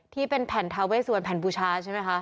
ที่เป็นแผ่นทาเวสวันแผ่นบูชาใช่ไหมคะ